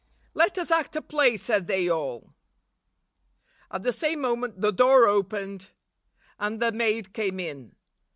'Let us act a play,' said they all. At the same moment the door opened, and the maid came in.